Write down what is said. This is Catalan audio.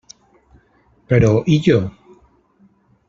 Però, i jo?